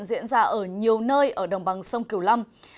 diễn ra ở nhiều nơi ở đồng bằng sông kiều lâm